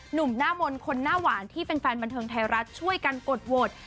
หนุ่มหน้ามนต์คนหน้าหวานที่เป็นแฟนบันเทิงไทยรัฐช่วยกันกดโหวต